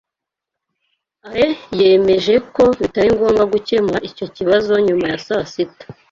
Alain yemeje ko bitari ngombwa gukemura icyo kibazo nyuma ya saa sita.